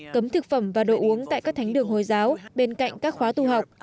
cấm thực phẩm và đồ uống tại các thánh đường hồi giáo bên cạnh các khóa tu học